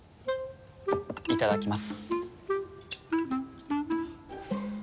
いただきます。